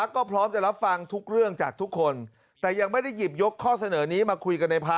คุณรังเชมันโรมบอกว่า